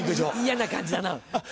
嫌な感じだな。